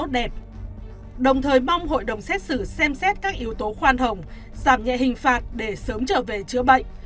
đồng thời mong hội đồng xét xử xem xét các yếu tố khoan hồng giảm nhẹ hình phạt để sớm trở về chữa bệnh